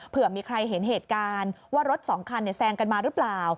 เผื่อมีใครเห็นเหตุการณ์ว่ารถสองคันแซงกันมาหรือเปล่า